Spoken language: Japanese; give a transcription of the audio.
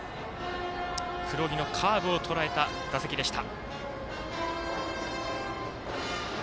黒木のカーブをとらえた打席でした。